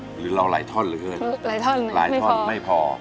หรือเราหลายท่อนหรือเปล่าหลายท่อนไม่พอ